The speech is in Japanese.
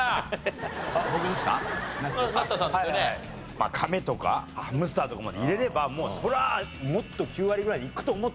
まあカメとかハムスターとかまで入れればそりゃあもっと９割ぐらいいくと思ったんですよ。